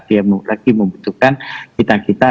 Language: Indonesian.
dia lagi membutuhkan kita kita